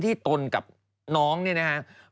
ที่ตนกับน้องเนี่ยนะ